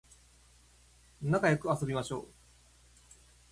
なかよく遊びましょう